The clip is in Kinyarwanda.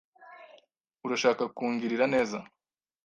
Urashaka kungirira neza?